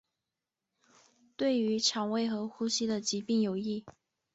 对于胃肠和呼吸的疾病有益。